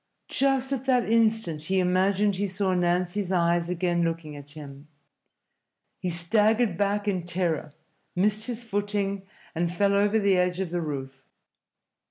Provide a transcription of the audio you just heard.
Just at that instant he imagined he saw Nancy's eyes again looking at him. He staggered back in terror, missed his footing, and fell over the edge of the roof.